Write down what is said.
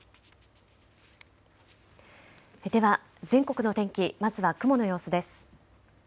では全国の天気、まずは雲の様子です。